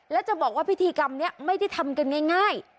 และจะบอกว่าพิธีกรรมนี้ไม่ได้ทำกันง่าย